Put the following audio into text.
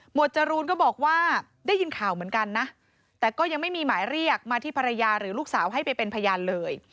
จรูนก็บอกว่าได้ยินข่าวเหมือนกันนะแต่ก็ยังไม่มีหมายเรียกมาที่ภรรยาหรือลูกสาวให้ไปเป็นพยานเลย